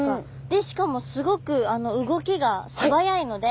でしかもすごく動きがすばやいので。